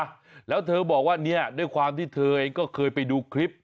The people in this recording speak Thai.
อ่ะแล้วเธอบอกว่าเนี่ยด้วยความที่เธอเองก็เคยไปดูคลิป